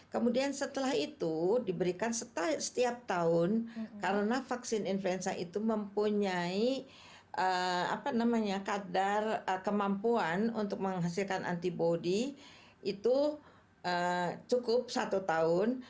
kemudian setelah itu diberikan setiap tahun karena vaksin influenza itu mempunyai kadar kemampuan untuk menghasilkan antibody itu cukup satu tahun